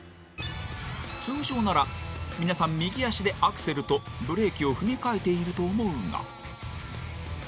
通常なら皆さん、右足でアクセルとブレーキを踏み替えていると思うが。